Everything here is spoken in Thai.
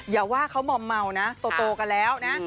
อย่าว่าเขามอมเมานะโตกันแล้วนะ